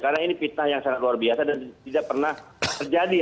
karena ini fitnah yang sangat luar biasa dan tidak pernah terjadi